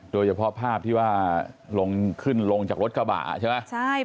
โดยเฉพาะภาพที่ว่าลงขึ้นลงจากรถกระบะใช่ไหม